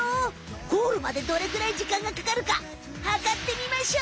ゴールまでどれぐらいじかんがかかるかはかってみましょう！